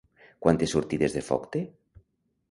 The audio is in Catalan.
Quantes sortides de foc té?